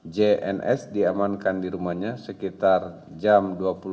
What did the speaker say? j dan s di amankan di rumahnya sekitar jam dua puluh dua